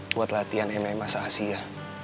buat latihan mma se asia